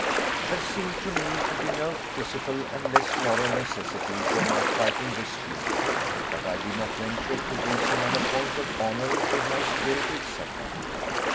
There seemed to me to be no physical and less moral necessity for my fighting this duel; but I did not venture to reason on a point of honour with my spirited second.